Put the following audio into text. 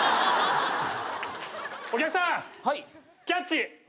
お客さんキャッチ！